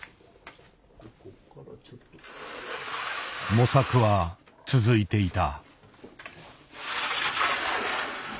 模索は続いていた。